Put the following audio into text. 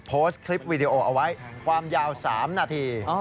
โพสต์คลิปวิดีโอเอาไว้ความยาว๓นาที